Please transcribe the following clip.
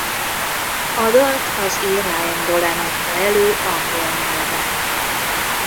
A dalt az ír Ryan Dolan adta elő angol nyelven.